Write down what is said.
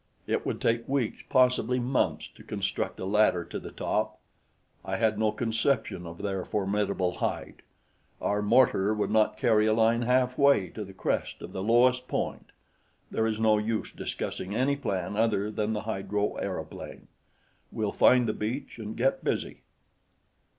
"It would take weeks, possibly months, to construct a ladder to the top. I had no conception of their formidable height. Our mortar would not carry a line halfway to the crest of the lowest point. There is no use discussing any plan other than the hydro aeroplane. We'll find the beach and get busy."